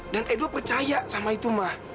dan edo percaya sama itu ma